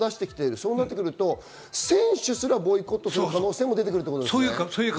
そうなってくると選手すらボイコットする可能性も出てくるってことですね。